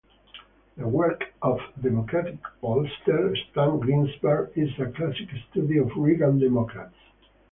The work of Democratic pollster Stan Greenberg is a classic study of Reagan Democrats.